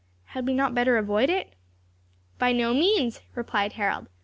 Had we not better avoid it?" "By no means," replied Harold.